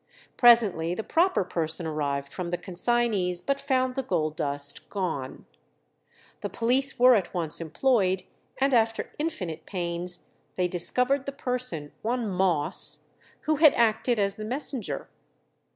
Presently the proper person arrived from the consignees, but found the gold dust gone. The police were at once employed, and after infinite pains they discovered the person, one Moss, who had acted as the messenger.